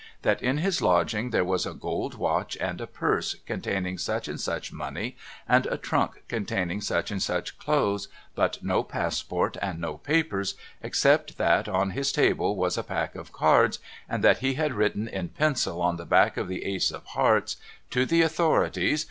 That in his lodging there was a gold watch and a purse containing such and such money and a trunk containing such and such clothes, but no passport and no papers, except that on his table was a pack of cards and that he had written in pencil on the back of the ace of hearts :' To the authorities.